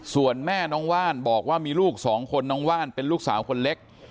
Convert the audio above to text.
ส่วนแม่น้องว่านบอกว่ามีลูกสองคนน้องว่านเป็นลูกสาวคนเล็ก